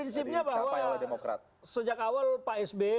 prinsipnya bahwa sejak awal pak sby